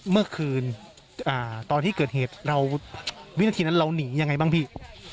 เมื่อคืนตอนที่เกิดเหตุเราวินาทีนั้นเราหนียังไงบ้างพี่